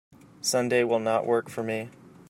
Sunday will not work for me.